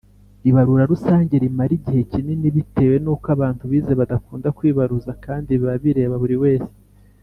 ibarura rusange rimara igihe kinini bitewe nuko abantu bize badakunda kwibaruza kandi biba bireba buri wese